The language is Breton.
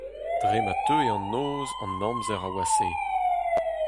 Dre ma teue an noz, an amzer a washae.